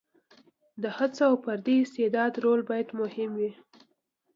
د هڅو او فردي استعداد رول باید مهم وي.